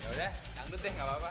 udah nggak apa apa